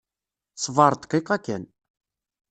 Ṣbeṛ dqiqa kan.